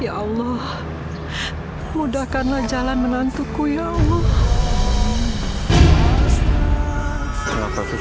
ya allah mudahkanlah jalan menantuku ya allah